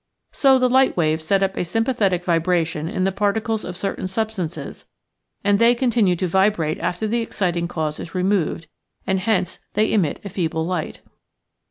So the light waves set up a sympathetic vibration in the particles of cer tain substances and they continue to vibrate after the exciting cause is removed, and hence they emit a feeble light.